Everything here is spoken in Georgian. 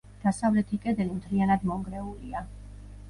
დასავლეთი კედელი მთლიანად მონგრეულია.